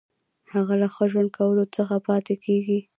هغه له ښه ژوند کولو څخه پاتې کیږي.